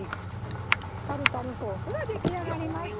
タルタルソースが出来上がりました。